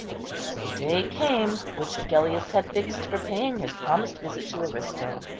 The day came which Agellius had fixed for paying his promised visit to Aristo.